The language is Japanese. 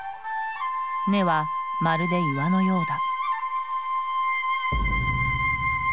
根はまるで岩のようだ。